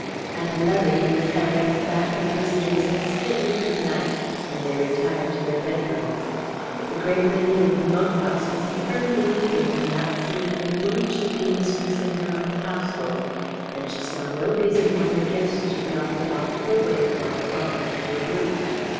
At eleven Miss Heredith bade her visitors a stately good night, and they retired to their bedrooms. The great lady of the moat house was a firm believer in the axiom that a woman should be mistress in her own household, and she saw no reason why her guests should not adopt her way of life while under her roof.